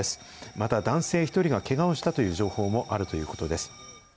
また、男性１人がけがをしたという情報もあるということです。